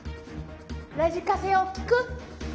ラジカセを聞く？